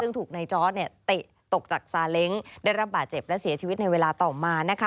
ซึ่งถูกในจอร์ดเตะตกจากซาเล้งได้รับบาดเจ็บและเสียชีวิตในเวลาต่อมานะคะ